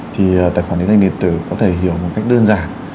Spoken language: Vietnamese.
thì tài khoản định danh điện tử có thể hiểu một cách đơn giản